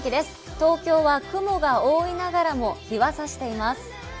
東京は雲が多いながらも日が差しています。